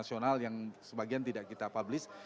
nasional yang sebagian tidak kita publis